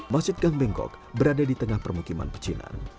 masjid gangbengkok berada di tengah permukiman pecinan